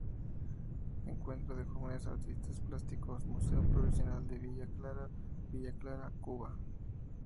Encuentro de Jóvenes Artistas Plásticos"", Museo Provincial de Villa Clara, Villa Clara, Cuba.